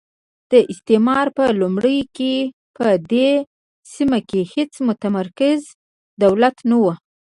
د استعمار په لومړیو کې په دې سیمه کې هېڅ متمرکز دولت نه وو.